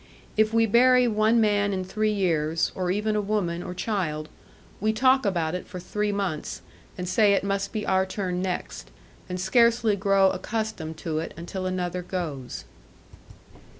If we bury one man in three years, or even a woman or child, we talk about it for three months, and say it must be our turn next, and scarcely grow accustomed to it until another goes.